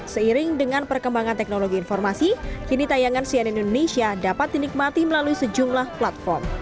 seiring dengan perkembangan teknologi informasi kini tayangan cnn indonesia dapat dinikmati melalui sejumlah platform